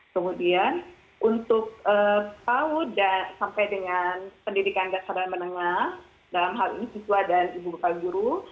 kemudian untuk pau sampai dengan pendidikan dasar dan menengah dalam hal ini siswa dan ibu kepala guru